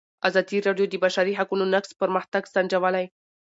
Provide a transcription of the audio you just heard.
ازادي راډیو د د بشري حقونو نقض پرمختګ سنجولی.